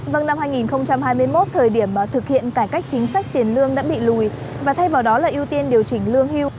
vâng năm hai nghìn hai mươi một thời điểm thực hiện cải cách chính sách tiền lương đã bị lùi và thay vào đó là ưu tiên điều chỉnh lương hưu